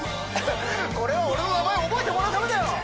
これは俺の名前を覚えてもらうためだよ！